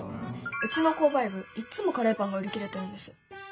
うちの購買部いっつもカレーパンが売り切れてるんです。